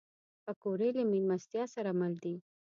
پکورې له میلمستیا سره مل دي